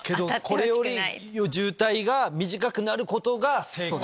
これより渋滞が短くなることが成功。